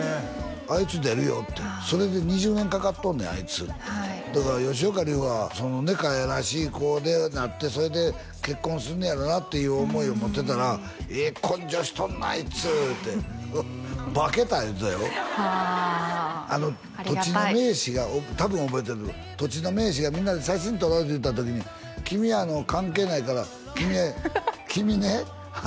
あいつ出るよってそれで２０年かかっとんねんあいつだから吉岡里帆はかわいらしい子でなってそれで結婚すんのやろなっていう思いを持ってたらええ根性しとんなあいつって化けた言うてたよはああの土地の名士が多分覚えてると思う土地の名士がみんなで写真撮ろうって言うた時に君関係ないから君君ね